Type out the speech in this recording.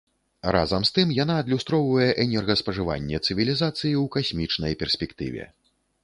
Разам з тым, яна адлюстроўвае энергаспажыванне цывілізацыі ў касмічнай перспектыве.